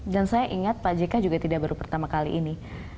dan saya ingat pak jk juga tidak baru pertama kali ini